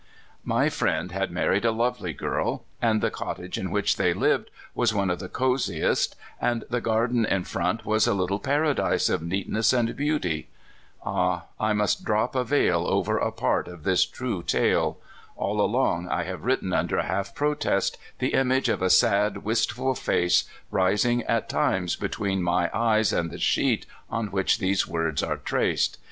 My friend had married a lovely girl, and the cottage in which they lived was one of the cosiest, and the garden in front was a little paradise of neatness and beauty. Ah! I must drop a veil over a part of this true tale. All along I have written under half protest, the image of a sad, 68 CALIFORNIA SKETCHES. wistful face rising at times between my eyes and the sheet on which these words are traced.